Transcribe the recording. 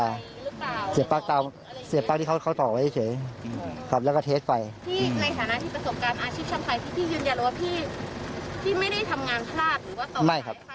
หรือว่าต่อไหนไฟผิดยังไงไหม